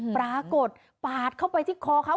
ปรากฏปาดเข้าไปที่คอเขา